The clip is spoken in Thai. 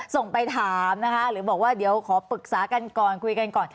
ส่งไปถามนะคะหรือบอกว่าเดี๋ยวขอปรึกษากันก่อนคุยกันก่อน